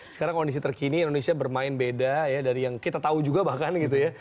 sekarang kondisi terkini indonesia bermain beda ya dari yang kita tahu juga bahkan gitu ya